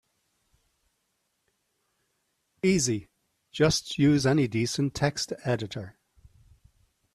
Easy, just use any decent text editor.